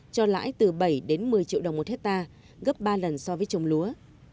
cho lãi từ bảy đến một mươi triệu đồng một hectare gấp ba lần so với trồng lúa